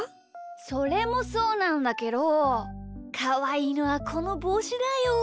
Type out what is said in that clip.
それもそうなんだけどかわいいのはこのぼうしだよ。